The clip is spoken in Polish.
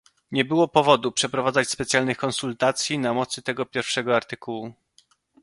Nie było powodu przeprowadzać specjalnych konsultacji na mocy tego pierwszego artykułu